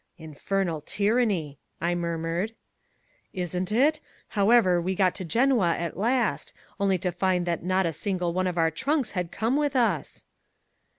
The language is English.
"Infernal tyranny," I murmured. "Isn't it? However, we got to Genoa at last, only to find that not a single one of our trunks had come with us!"